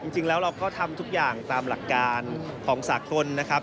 จริงแล้วเราก็ทำทุกอย่างตามหลักการของสากลนะครับ